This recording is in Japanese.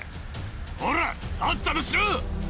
ほらさっさとしろ！